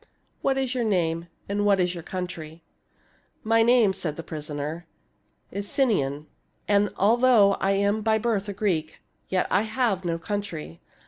What is your name, and what is your country ?"" My name," said the prisoner, '■' is Sinon, and although I am by birth a Greek, yet I have no country.